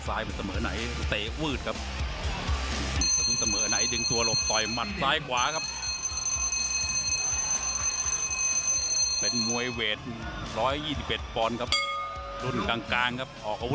เสด็จปอนด์ครับรุ่นกลางครับอ่อความอุดแรงครับ